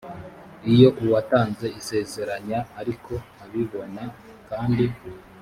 iyo uwatanze isezeranya ariko abibona kandi